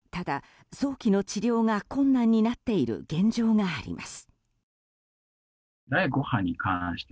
ただ早期の治療が困難になっている現状があります。